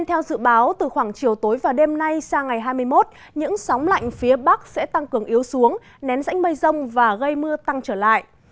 theo dự báo từ khoảng chiều tối và đêm nay sang ngày hai mươi một những sóng lạnh phía bắc sẽ tăng cường yếu xuống nén rãnh mây rông và gây mưa tăng trở lại